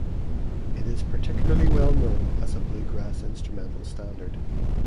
It is particularly well known as a bluegrass instrumental standard.